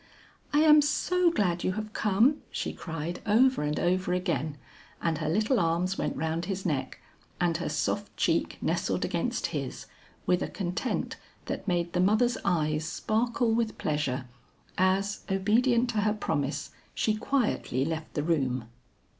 "I am so glad you have come," she cried over and over again; and her little arms went round his neck, and her soft cheek nestled against his, with a content that made the mother's eyes sparkle with pleasure, as obedient to her promise, she quietly left the room.